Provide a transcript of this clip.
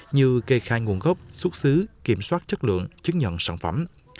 như kê khai nguồn gốc xuất xứ kiểm soát chất lượng chứng nhận sản phẩm